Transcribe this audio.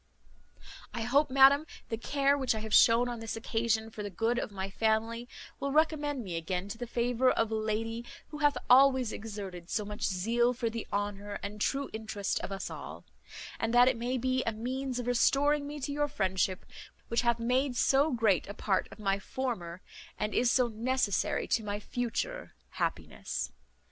"I hope, madam, the care which I have shewn on this occasion for the good of my family will recommend me again to the favour of a lady who hath always exerted so much zeal for the honour and true interest of us all; and that it may be a means of restoring me to your friendship, which hath made so great a part of my former, and is so necessary to my future happiness.